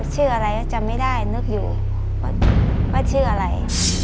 ชื่ออะไรก็จำไม่ได้นึกอยู่ว่าชื่ออะไร